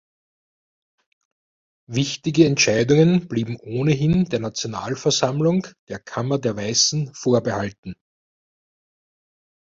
Wichtige Entscheidungen blieben ohnehin der Nationalversammlung, der Kammer der Weißen, vorbehalten.